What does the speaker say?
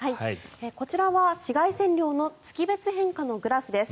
こちらは紫外線量の月別変化のグラフです。